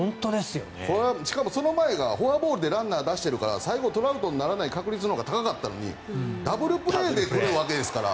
しかもその前がフォアボールでランナーを出しているから最後、トラウトにならない確率のほうが高かったのにダブルプレーですから。